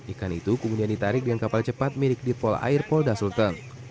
ikan itu kemudian ditarik dengan kapal cepat milik dipol air polda sultan